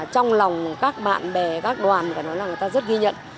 trong lòng các bạn bè các đoàn là người ta rất ghi nhận